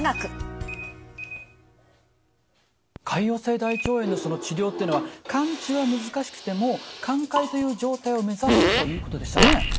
潰瘍性大腸炎のその治療っていうのは完治は難しくても寛解という状態を目指すということでしたね。